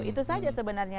itu saja sebenarnya